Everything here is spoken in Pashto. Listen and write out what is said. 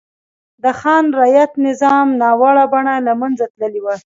د خان رعیت نظام ناوړه بڼه له منځه تللې وه.